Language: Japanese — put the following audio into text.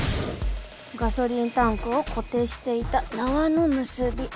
ガソリンタンクを固定していた縄の結び。